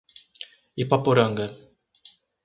Ipaporanga